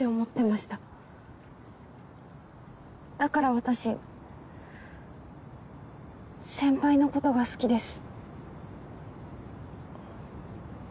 だから私先輩の事が好きです。